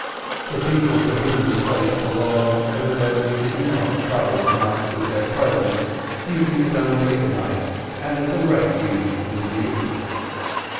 The people to whom the place belonged evidently did not trouble it much with their presence, using it only at night, and as a refuge from the dew.